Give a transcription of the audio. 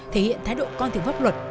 thể hiện thái độ con thường vấp luật